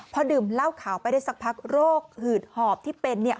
พอดื่มเหล้าขาวไปได้สักพักโรคหืดหอบที่เป็นเนี่ย